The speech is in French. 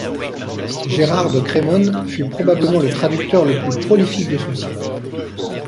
Gérard de Crémone fut probablement le traducteur le plus prolifique de son siècle.